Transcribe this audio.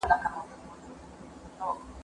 ته ولي امادګي نيسې!.